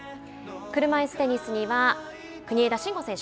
車いすテニスには国枝慎吾選手。